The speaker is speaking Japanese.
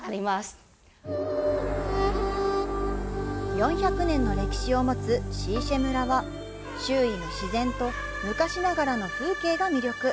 ４００年の歴史を持つ石舎村は、周囲の自然と昔ながらの風景が魅力。